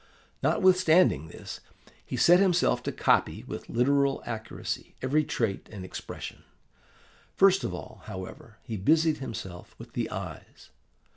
Notwithstanding this, he set himself to copy with literal accuracy every trait and expression. First of all, however, he busied himself with the eyes.